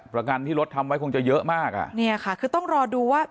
ประกันที่รถทำไว้คงจะเยอะมากอ่ะเนี่ยค่ะคือต้องรอดูว่า